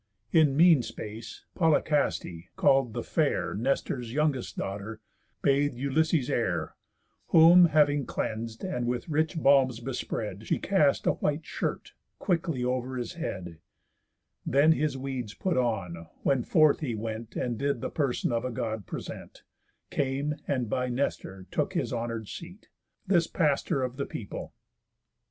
In mean space, Polycasté (call'd the fair, Nestor's young'st daughter) bath'd Ulysses' heir; Whom having cleans'd, and with rich balms bespread, She cast a white shirt quickly o'er his head, And then his weeds put on; when forth he went, And did the person of a God present, Came, and by Nestor took his honour'd seat, This pastor of the people.